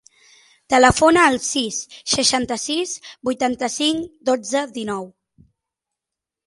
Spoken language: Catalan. Telefona al sis, seixanta-sis, vuitanta-cinc, dotze, dinou.